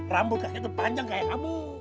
rambut kaki itu panjang seperti kamu